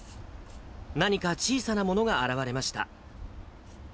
何か小さなものが現れました。